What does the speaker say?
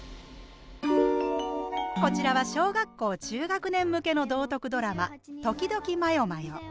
こちらは小学校中学年向けの道徳ドラマ「時々迷々」。